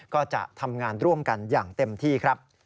ก็จะทำงานร่วมกันอย่างเต็มที่ครับ